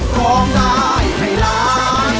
ขอบใจพี่หลัง